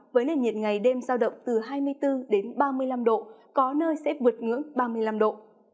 với nền nhiệt ngày đêm giao động từ hai mươi bốn đến ba mươi năm độ có nơi sẽ vượt ngưỡng ba mươi năm độ